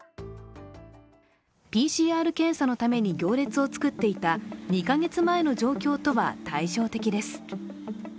ＰＣＲ検査のために行列を作っていた２か月前の状況とは対照的です。